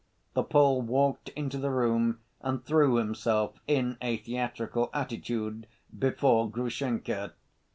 The Pole walked into the room and threw himself in a theatrical attitude before Grushenka.